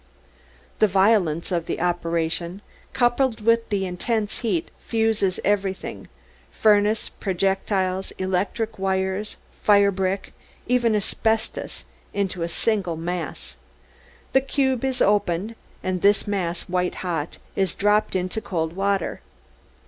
_ "The violence of the operation, coupled with the intense heat, fuses everything furnace, projectiles, electric wires, fire brick, even asbestos, into a single mass. The cube is opened, and this mass, white hot, is dropped into cold water.